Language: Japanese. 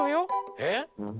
えっ？